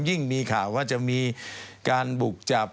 ยิ่งมีข่าวว่าจะมีการบุกจับ